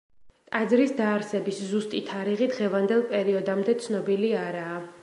ტაძრის დაარსების ზუსტი თარიღი დღევანდელ პერიოდამდე ცნობილი არაა.